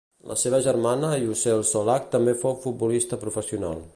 La seva germana Yücel Çolak també fou futbolista professional.